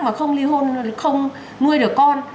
và không nuôi được con